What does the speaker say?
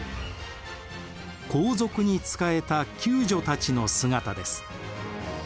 皇族に仕えた宮女たちの姿です。